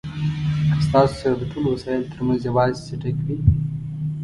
که ستاسو سره د ټولو وسایلو ترمنځ یوازې څټک وي.